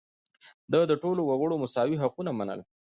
ده د ټولو وګړو مساوي حقونه منل.